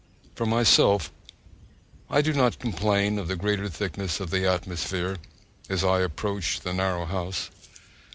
For myself, I do not complain of the greater thickness of the atmosphere as I approach the narrow house.